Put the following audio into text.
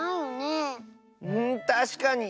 んたしかに！